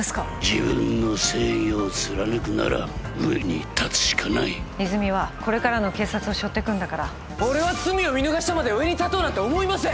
自分の正義を貫くなら上に立つしかない泉はこれからの警察を背負ってくんだから俺は罪を見逃してまで上に立とうなんて思いません！